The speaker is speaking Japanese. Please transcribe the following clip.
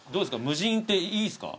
無人っていいすか？